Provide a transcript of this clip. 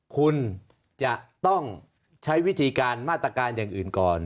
คุณจะต้องใช้วิธีการมาตรการอย่างอื่นก่อน